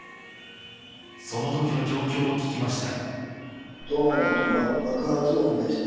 その時の状況を聞きました。